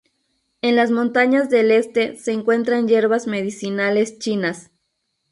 En las montañas del este se encuentran hierbas medicinales chinas.